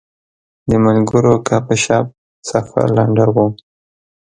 د ملګرو ګپ شپ سفر لنډاوه.